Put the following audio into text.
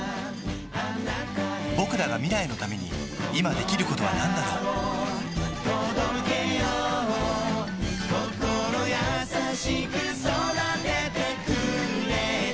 ぼくらが未来のために今できることはなんだろう心優しく育ててくれた